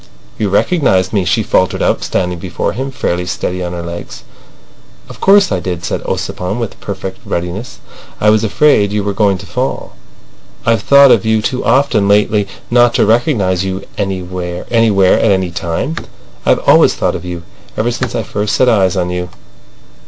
"You recognised me," she faltered out, standing before him, fairly steady on her legs. "Of course I did," said Ossipon with perfect readiness. "I was afraid you were going to fall. I've thought of you too often lately not to recognise you anywhere, at any time. I've always thought of you—ever since I first set eyes on you."